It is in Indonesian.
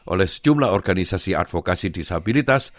oleh sejumlah organisasi advokasi disabilitas